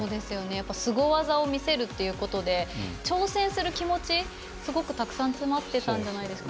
やっぱりスゴ技を見せるっていうことで挑戦する気持ちすごくたくさん詰まってたんじゃないですかね。